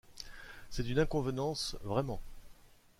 C’est d’une inconvenance, vraiment !